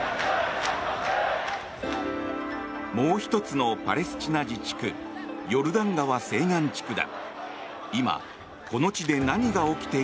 もう１つのパレスチナ自治区ヨルダン川西岸地区だ。